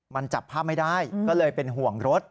มันจับภาพไม่ได้ก็เลยเป็นห่วงรถ